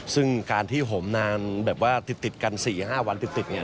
ซึ่งการที่ห่มนานแบบว่าติดกัน๔๕วันติดเนี่ย